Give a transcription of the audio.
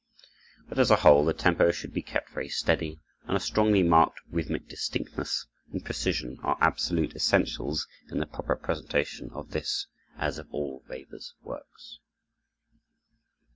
But, as a whole, the tempo should be kept very steady, and a strongly marked rhythmic distinctness and precision are absolute essentials in the proper presentation of this, as of all Weber's works.